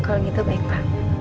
kalau gitu baik pak